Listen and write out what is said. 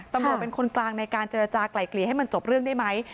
ตำรวจเป็นคนกลางในการเจรจากลายเกลี่ยให้มันจบเรื่องได้ไหม